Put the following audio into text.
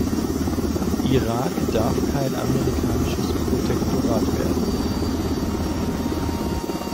Irak darf kein amerikanisches Protektorat werden.